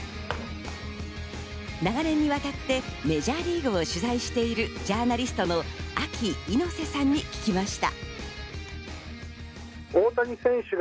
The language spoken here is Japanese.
長年にわたってメジャーリーグを取材しているジャーナリストのＡＫＩ猪瀬さんに聞きました。